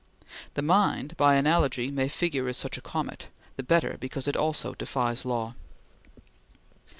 The mind, by analogy, may figure as such a comet, the better because it also defies law.